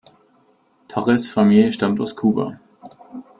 Torres’ Familie stammt aus Kuba.